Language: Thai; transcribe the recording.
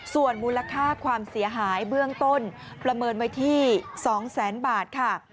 ส่วนมูลค่าความเสียหายเบื้องต้นประเมินไว้ที่๒แสนบาทค่ะ